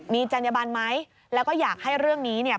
มีจัญญบันไหมแล้วก็อยากให้เรื่องนี้เนี่ย